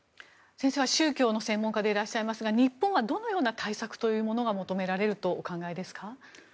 先生は宗教の専門家でいらっしゃいますが日本はどのような対策というものが求められるとお考えですか？